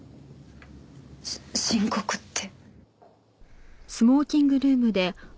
し深刻って？